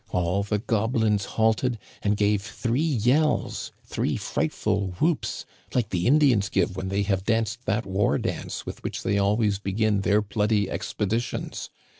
All the goblins halted and gave three yells, three frightful whoops, like the Indians give when they have danced that war dance with which they always begin their bloody expeditions.